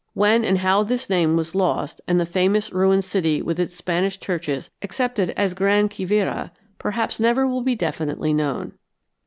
When and how this name was lost and the famous ruined city with its Spanish churches accepted as Gran Quivira perhaps never will be definitely known.